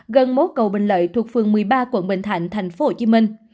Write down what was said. gần mố cầu bình lợi thuộc phường một mươi ba quận bình thạnh thành phố hồ chí minh